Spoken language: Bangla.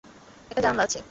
একটা জানালা আছে।